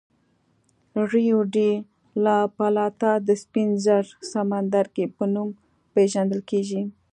ریو ډي لا پلاتا د سپین زر سمندرګي په نوم پېژندل کېږي.